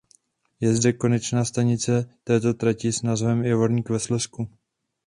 Je zde konečná stanice této trati s názvem „Javorník ve Slezsku“.